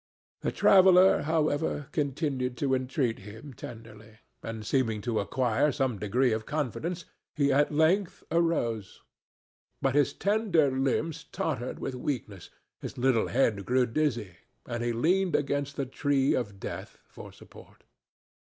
The traveller, however, continued to entreat him tenderly, and, seeming to acquire some degree of confidence, he at length arose; but his slender limbs tottered with weakness, his little head grew dizzy, and he leaned against the tree of death for support.